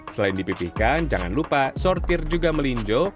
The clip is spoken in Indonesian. selain dipipihkan jangan lupa sortir juga melinjo